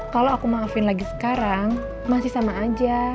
kalau aku maafin lagi sekarang masih sama aja